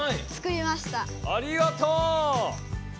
ありがとう！